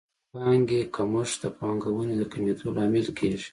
د پانګې کمښت د پانګونې د کمېدو لامل کیږي.